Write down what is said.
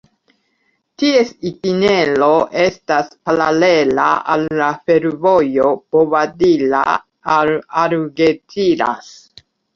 Ties itinero estas paralela al la fervojo Bobadilla-Algeciras.